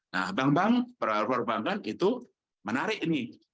nah bank bank peralatan perbankan itu menarik ini